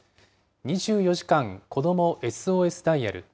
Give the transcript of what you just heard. ２４時間子供ＳＯＳダイヤル。